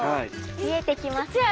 見えてきますね。